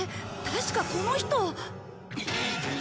確かこの人。